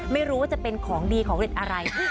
ไม่รู้ว่าจะเป็นของดีของเด็ดอะไร